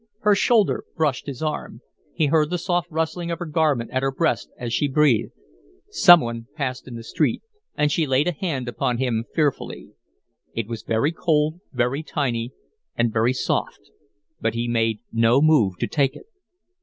Her shoulder brushed his arm; he heard the soft rustling of her garment at her breast as she breathed. Some one passed in the street, and she laid a hand upon him fearfully. It was very cold, very tiny, and very soft, but he made no move to take it.